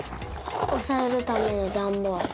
おさえるためのダンボール。